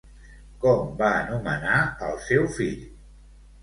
Com va anomenar al seu fill?